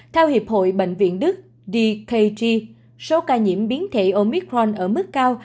theo hiệp hội bệnh viện đức dkg số ca nhiễm biến thể omitron ở mức cao